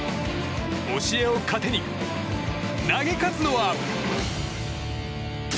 教えを糧に、投げ勝つのは。